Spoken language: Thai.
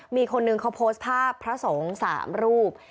มีคนนึงเขาโพสต์ภาพพระสงฆ์๓รูป